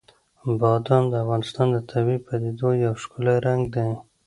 بادام د افغانستان د طبیعي پدیدو یو ښکلی رنګ دی.